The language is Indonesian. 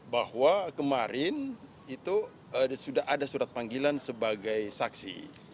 bahwa kemarin itu sudah ada surat panggilan sebagai saksi